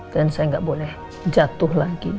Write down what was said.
dan saya gak boleh jatuh lagi